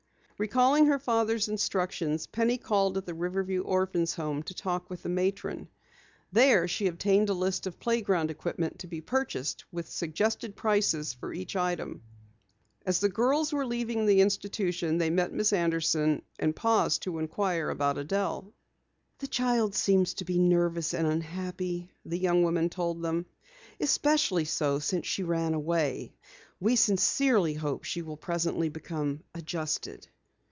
Recalling her father's instructions, Penny called at the Riverview Orphans' Home to talk with the matron. There she obtained a list of playground equipment to be purchased, with suggested prices for each item. As the girls were leaving the institution they met Miss Anderson and paused to inquire about Adelle. "The child seems to be nervous and unhappy," the young woman told them. "Especially so since she ran away. We sincerely hope she will presently become adjusted."